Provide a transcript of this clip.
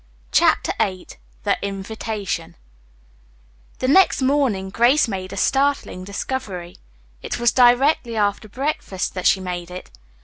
CHAPTER VIII THE INVITATION The next morning Grace made a startling discovery. It was directly after breakfast that she made it.